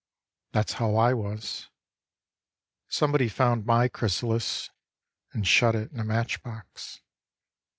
That's how I was. Somebody found my chrysalis And shut it in a match box.